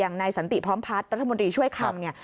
อย่างนายสันติพร้อมพัฒน์ปัจจุมนตรีช่วยคำ